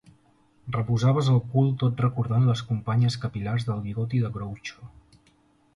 Reposaves el cul tot recordant les companyes capil·lars del bigoti de Groucho.